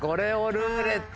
「ルーレット」！